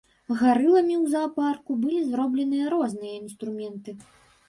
Гарыламі ў заапарку былі зробленыя розныя інструменты.